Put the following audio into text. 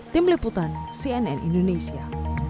tim liputan cnn indonesia